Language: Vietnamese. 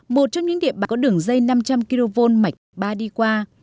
một trong những địa bàn có đường dây năm trăm linh kv mạch ba đi qua